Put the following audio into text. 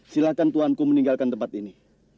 silakan tuan ku meninggalkan tempat ini